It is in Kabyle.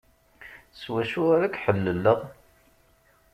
S wacu ara k-ḥelleleɣ?